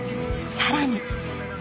さらに。